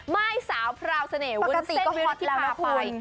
ไม่สาวพระอาวุศเนกอุณเส้นที่ภาไป